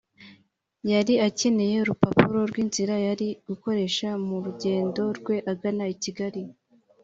yari akeneye urupapuro rw’inzira yari gukoresha mu rugendo rwe agana i Kigali